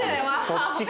そっちか。